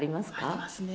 ありますね。